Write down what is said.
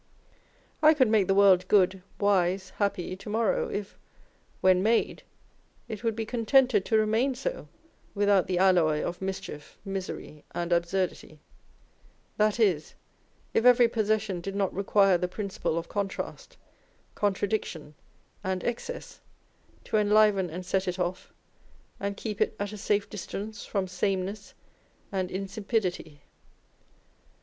I could make the world good, wise, happy to morrow, if, when made, it would be contented to remain so without the alloy of mischief, misery, and absurdity : that is, if every posses sion did not require the principle of contrast, contradic tion, and excess, to enliven and set it off and keep it at a safe distance from sameness and insipidity.